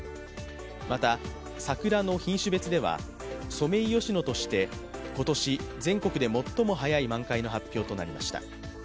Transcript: また、桜の品種別ではソメイヨシノとして今年、全国で最も早い満開の発表となりました。